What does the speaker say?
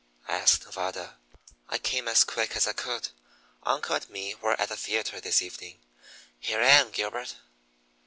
asked Nevada. "I came as quick as I could. Uncle and me were at the theatre this evening. Here I am, Gilbert!"